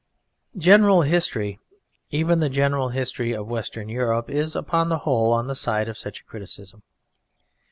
General history, even the general history of Western Europe, is upon the whole on the side of such a criticism.